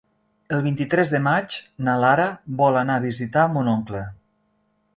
El vint-i-tres de maig na Lara vol anar a visitar mon oncle.